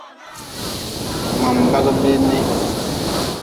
Ma-n bagi biinii.